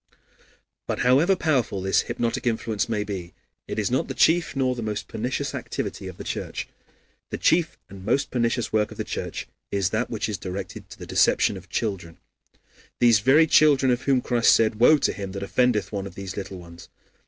But however powerful this hypnotic influence may be, it is not the chief nor the most pernicious activity of the Church. The chief and most pernicious work of the Church is that which is directed to the deception of children these very children of whom Christ said: "Woe to him that offendeth one of these little ones."